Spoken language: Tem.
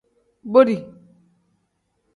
Boti.